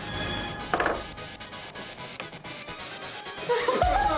ハハハハ。